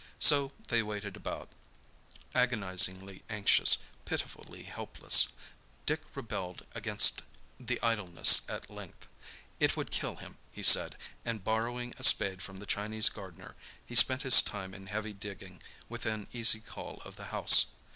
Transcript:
So they waited about, agonisingly anxious, pitifully helpless. Dick rebelled against the idleness at length. It would kill him, he said, and, borrowing a spade from the Chinese gardener, he spent his time in heavy digging, within easy call of the house.